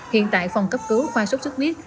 hiện tại phòng cấp cứu khoa sốt sốt khuyết